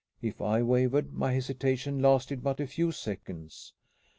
If I wavered, my hesitation lasted but a few seconds.